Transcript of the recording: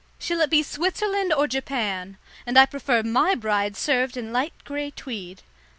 Shall it be Switzerland or Japan? And I prefer my bride served in light grey tweed."